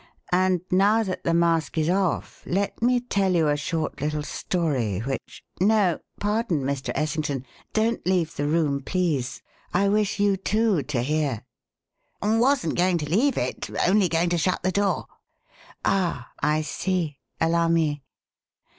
And now that the mask is off, let me tell you a short little story which no! Pardon, Mr. Essington, don't leave the room, please. I wish you, too, to hear." "Wasn't going to leave it only going to shut the door." "Ah, I see. Allow me.